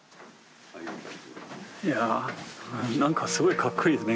いや何かすごいかっこいいですね。